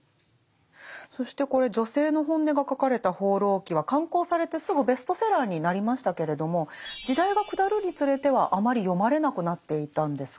そしてこれ女性の本音が書かれた「放浪記」は刊行されてすぐベストセラーになりましたけれども時代が下るにつれてはあまり読まれなくなっていたんですか？